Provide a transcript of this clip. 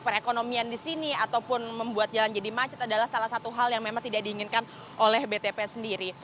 perekonomian di sini ataupun membuat jalan jadi macet adalah salah satu hal yang memang tidak diinginkan oleh btp sendiri